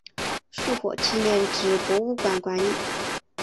树火纪念纸博物馆管理。